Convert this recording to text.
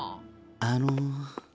あの。